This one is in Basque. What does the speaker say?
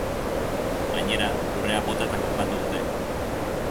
Gainera, lurrera bota eta kolpatu dute.